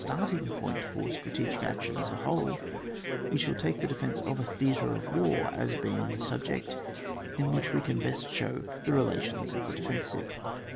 starting point for strategic action as a whole, we shall take the defence of a theatre, of war as being the subject, in which we can best show the relations of the defensive.